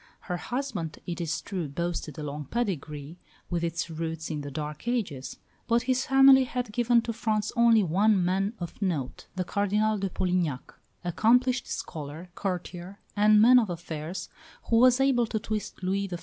Her husband, it is true, boasted a long pedigree, with its roots in the Dark Ages; but his family had given to France only one man of note, that Cardinal de Polignac, accomplished scholar, courtier, and man of affairs, who was able to twist Louis XIV.